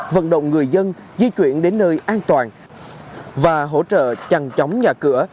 vận động người dân di chuyển đến nơi an toàn và hỗ trợ chằn chóng nhà cửa